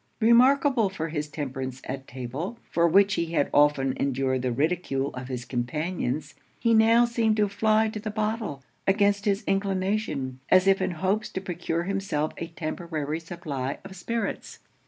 Remarkable for his temperance at table, for which he had often endured the ridicule of his companions, he now seemed to fly to the bottle, against his inclination, as if in hopes to procure himself a temporary supply of spirits.